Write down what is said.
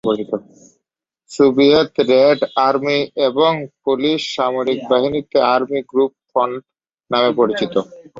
Soviet red army এবং Polish সামরিক বাহিনীতে আর্মি গ্রুপ ফ্রন্ট নামে পরিচিত।